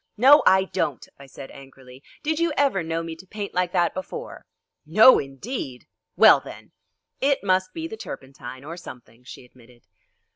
"No, I don't," I said angrily; "did you ever know me to paint like that before?" "No, indeed!" "Well, then!" "It must be the turpentine, or something," she admitted.